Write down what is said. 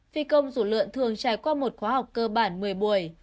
phi công rủ lượn thường trải qua một khóa học cơ bản một mươi buổi